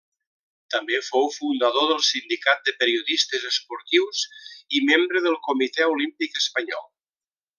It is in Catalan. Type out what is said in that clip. També fou fundador del Sindicat de Periodistes Esportius i membre del Comitè Olímpic Espanyol.